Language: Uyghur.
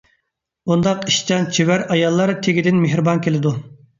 ئۇنداق ئىشچان، چېۋەر ئاياللار تېگىدىن مېھرىبان كېلىدۇ.